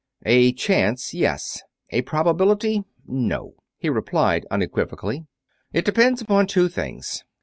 "A chance, yes. A probability, no," he replied, unequivocally. "It depends upon two things.